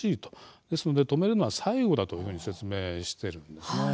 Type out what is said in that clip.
ですので止めるのは最後だというふうに説明しているんです。